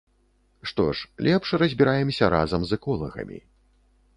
Што ж лепш, разбіраемся разам з эколагамі.